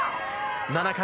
７回。